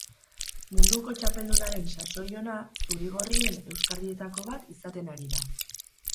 Munduko txapeldunaren sasoi ona zuri-gorrien euskarrietako bat izaten ari da.